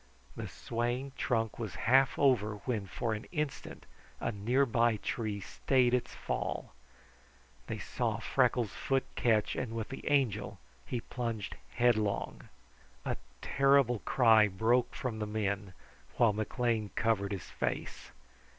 The swaying trunk was half over when, for an instant, a near by tree stayed its fall. They saw Freckles' foot catch, and with the Angel he plunged headlong. A terrible cry broke from the men, while McLean covered his face.